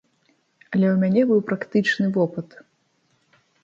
Але ў мяне быў практычны вопыт!